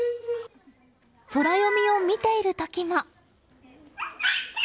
ソラよみを見ている時も。